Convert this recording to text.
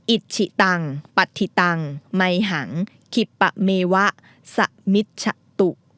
อิจฉิตังปัทธิตังไมหังคิปะเมวะสมิชชะตุ